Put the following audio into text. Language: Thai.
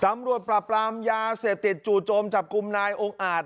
ตำรวจปราบรามยาเสพติดจู่โจมจับกลุ่มนายองค์อาจ